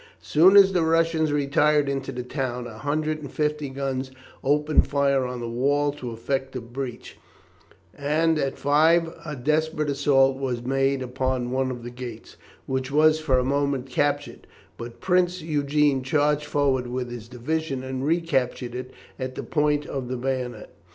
As soon as the Russians retired into the town a hundred and fifty guns opened fire on the wall to effect a breach, and at five a desperate assault was made upon one of the gates, which was for a moment captured, but Prince Eugene charged forward with his division and recaptured it at the point of the bayonet.